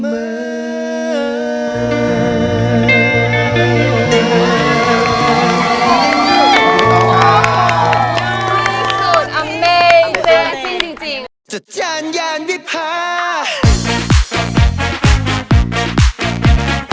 เพื่อให้ความคิดดีกว่าใหญ่